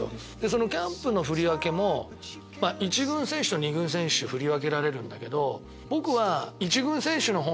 そのキャンプの振り分けも１軍選手と２軍選手振り分けられるんだけど。